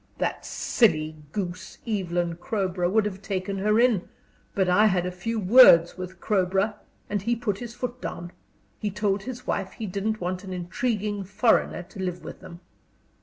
That silly goose, Evelyn Crowborough, would have taken her in, but I had a few words with Crowborough, and he put his foot down. He told his wife he didn't want an intriguing foreigner to live with them.